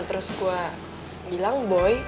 terus gue bilang boy